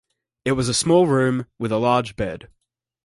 It was a small room with a large bed.